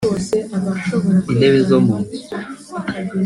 intebe zo mu nzu